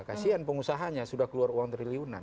kasian pengusahanya sudah keluar uang triliunan